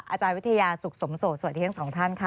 อาจารย์วิทยาสุขสมโสดสวัสดีทั้งสองท่านค่ะ